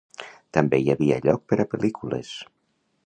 També hi havia lloc per a pel·lícules.